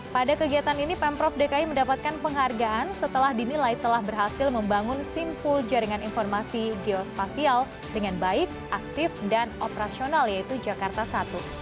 pada kegiatan ini pemprov dki mendapatkan penghargaan setelah dinilai telah berhasil membangun simpul jaringan informasi geospasial dengan baik aktif dan operasional yaitu jakarta i